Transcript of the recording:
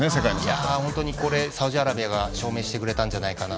本当にこれサウジアラビアが証明してくれたんじゃないかな